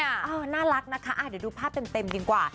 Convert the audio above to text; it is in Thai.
น่ารักนะคะเดี๋ยวดูภาพเต็มดีกว่า